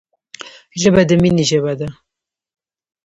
ژبه د مینې ژبه ده